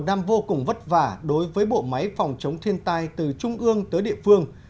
đang vô cùng vất vả đối với bộ máy phòng chống thiên tai từ trung ương tới địa phương